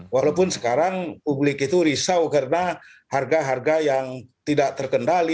walaupun sekarang publik itu risau karena harga harga yang tidak terkendali